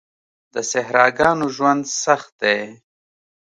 د صحراګانو ژوند سخت دی.